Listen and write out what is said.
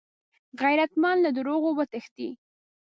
غیرتمند له دروغو وتښتي